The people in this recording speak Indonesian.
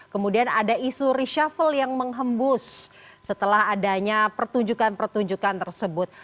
kemudian ada isu reshuffle yang menghembus setelah adanya pertunjukan pertunjukan tersebut